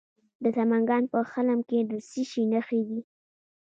د سمنګان په خلم کې د څه شي نښې دي؟